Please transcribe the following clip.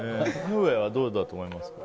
江上はどれだと思いますか？